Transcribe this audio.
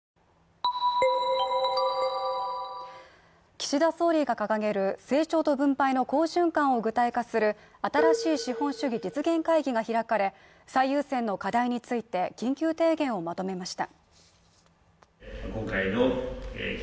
岸田総理が掲げる成長と分配の好循環を具体化する新しい資本主義実現会議が開かれ、最優先の課題について緊急提言をまとめました。